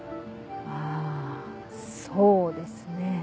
あぁそうですね。